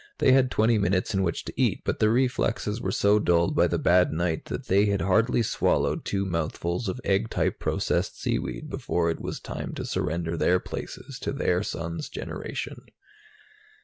They had twenty minutes in which to eat, but their reflexes were so dulled by the bad night that they had hardly swallowed two mouthfuls of egg type processed seaweed before it was time to surrender their places to their son's generation.